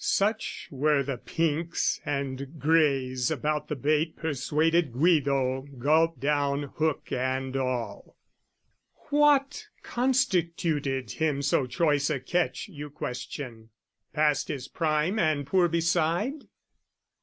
Such were the pinks and greys about the bait Persuaded Guido gulp down hook and all. What constituted him so choice a catch, You question? Past his prime and poor beside?